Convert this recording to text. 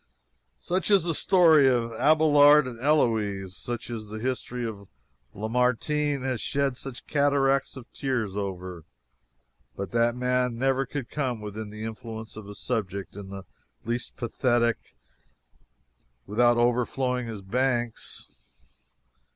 Such is the story of Abelard and Heloise. Such is the history that Lamartine has shed such cataracts of tears over. But that man never could come within the influence of a subject in the least pathetic without overflowing his banks.